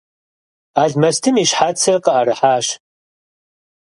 Алмэстым и щхьэцыр къыӀэрыхьащ.